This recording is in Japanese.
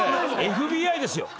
ＦＢＩですよ。